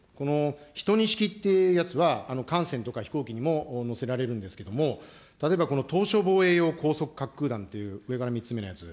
１２式ってやつは、艦船とか飛行機にも載せられるんですけれども、例えば、島しょ防衛用高速滑空弾という上から３つ目のやつ。